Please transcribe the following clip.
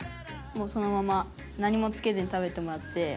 もうそのまま何も付けずに食べてもらって。